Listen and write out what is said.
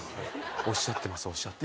おっしゃってます。